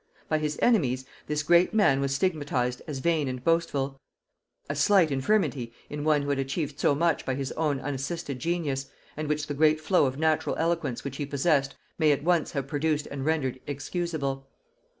By his enemies, this great man was stigmatized as vain and boastful; a slight infirmity in one who had achieved so much by his own unassisted genius, and which the great flow of natural eloquence which he possessed may at once have produced and rendered excusable.